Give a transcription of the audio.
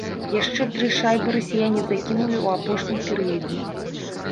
Яшчэ тры шайбы расіяне закінулі ў апошнім перыядзе.